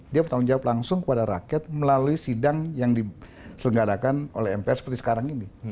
dia bertanggung jawab langsung kepada rakyat melalui sidang yang diselenggarakan oleh mpr seperti sekarang ini